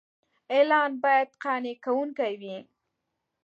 اعلان باید قانع کوونکی وي.